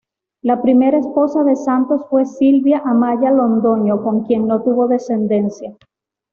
La primera esposa de Santos fue Silvia Amaya Londoño, con quien no tuvo descendencia.